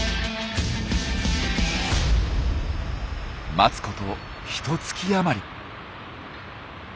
待つことひとつき余り。